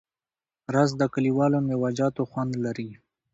رس د کلیوالو میوهجاتو خوند لري